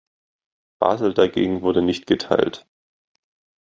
Basel dagegen wurde nicht geteilt.